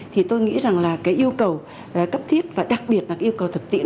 thì tôi nghĩ rằng là cái yêu cầu cấp thiết và đặc biệt là yêu cầu thực tiễn